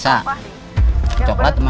masih dinyatakan hilang